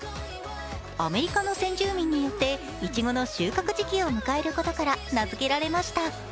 アメリカの先住民によって、いちごの収穫時期を迎えることから名付けられました。